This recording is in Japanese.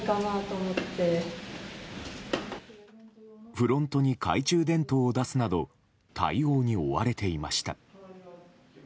フロントに懐中電灯を出すなど対応に追われていました。